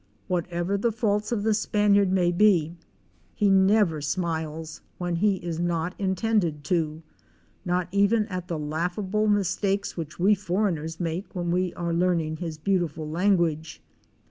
Whatever the faults of the Spaniard may be, he never smiles when he is not intended to; not even at the laughable mis takes which we foreigners make when we are learning his beautiful language.